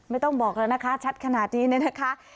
ไม่ต้องบอกแล้วนะคะชัดขนาดนี้เนี่ยนะคะ